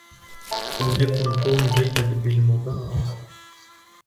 لم يكن توم جيد بالمباره